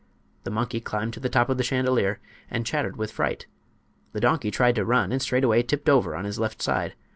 The monkey climbed to the top of the chandelier and chattered with fright. The donkey tried to run and straightway tipped over on his left side.